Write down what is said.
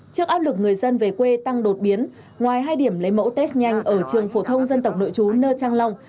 trước áp lực người dân về quê tăng đột biến ngoài hai điểm lấy mẫu test nhanh ở trường phổ thông dân tộc nội chú nơi trang long